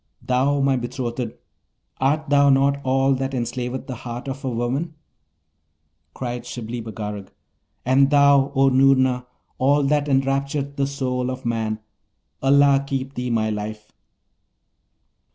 Thou, my betrothed, art thou not all that enslaveth the heart of woman?' Cried Shibli Bagarag, 'And thou, O Noorna, all that enraptureth the soul of man! Allah keep thee, my life!'